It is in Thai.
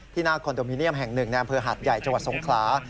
หน้าคอนโดมิเนียมแห่งหนึ่งในอำเภอหาดใหญ่จังหวัดสงขลา